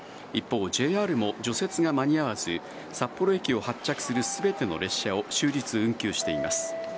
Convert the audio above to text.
一方、ＪＲも除雪が間に合わず、札幌駅を発着するすべての列車を終日運休しています。